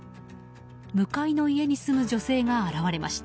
向かいの家に住む女性が現れました。